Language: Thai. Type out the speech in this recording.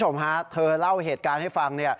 คุณผู้ชมฮะเธอเล่าเหตุการณ์ให้ฟัง